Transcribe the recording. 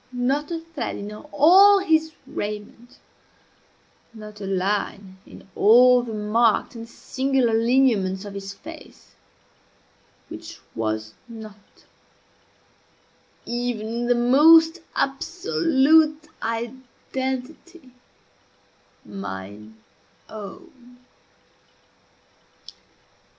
Not a thread in all his raiment not a line in all the marked and singular lineaments of his face which was not, even in the most absolute identity, mine own!